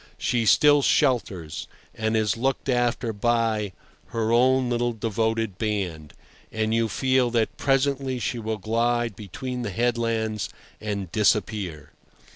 She still shelters, and is looked after by, her own little devoted band, and you feel that presently she will glide between the headlands and disappear.